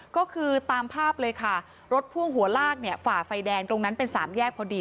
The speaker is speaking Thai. ก็คือตามภาพเลยค่ะรถพ่วงหัวลากเนี่ยฝ่าไฟแดงตรงนั้นเป็นสามแยกพอดี